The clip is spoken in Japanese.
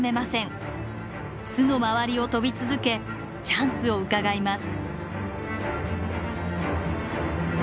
巣の周りを飛び続けチャンスをうかがいます。